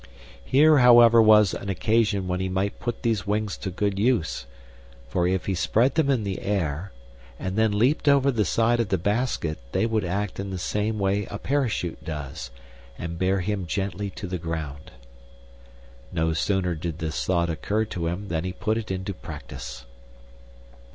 Here, however, was an occasion when he might put these wings to good use, for if he spread them in the air and then leaped over the side of the basket they would act in the same way a parachute does, and bear him gently to the ground. No sooner did this thought occur to him than he put it into practice.